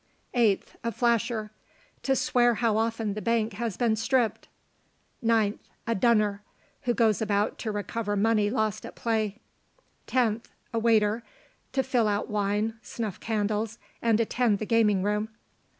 8th. A FLASHER, to swear how often the bank has been stript. 9th. A DUNNER, who goes about to recover money lost at play. 10th. A WAITER, to fill out wine, snuff candles, and attend the gaming room.